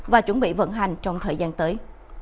và chuẩn bị vận hành trong thời gian tới